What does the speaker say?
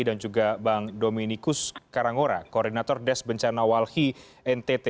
dan juga bang dominikus karangora koordinator des bencana walhi ntt